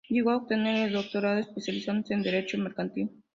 Llegó a obtener el doctorado, especializándose en derecho mercantil.